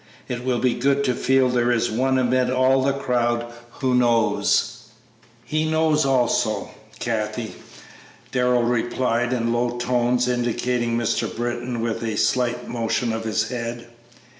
It will be good to feel there is one amid all the crowd who knows." "He knows also, Kathie," Darrell replied, in low tones, indicating Mr. Britton with a slight motion of his head.